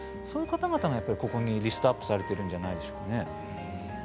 そういう方々がリストアップされているんじゃないでしょうか。